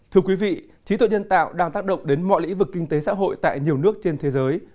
thưa quý vị trí tuệ nhân tạo đang tác động đến mọi lĩnh vực kinh tế xã hội tại nhiều nước trên thế giới